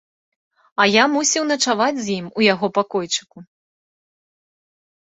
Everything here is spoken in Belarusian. А я мусіў начаваць з ім у яго пакойчыку.